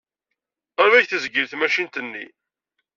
Qrib ay tezgil tamacint-nni.